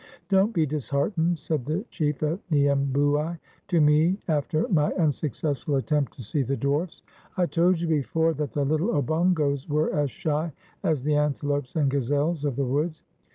"Don't be disheartened," said the chief of Niembouai to me after my unsuccessful attempt to see the dwarfs. "I told you before that the little Obongos were as shy as the antelopes and gazelles of the woods.